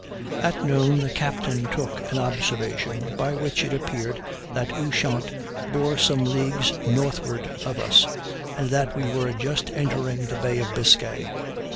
At noon the captain took an observation, by which it appeared that Ushant bore some leagues northward of us, and that we were just entering the bay of Biscay.